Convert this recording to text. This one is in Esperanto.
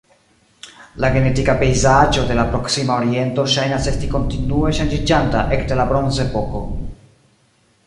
La genetika pejzaĝo de la Proksima Oriento ŝajnas esti kontinue ŝanĝiĝanta ekde la Bronzepoko.